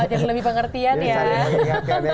jadi lebih pengertian ya